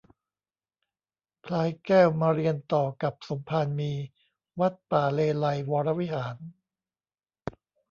พลายแก้วมาเรียนต่อกับสมภารมี วัดป่าเลไลยก์วรวิหาร